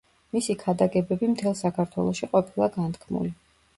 მისი ქადაგებები მთელ საქართველოში ყოფილა განთქმული.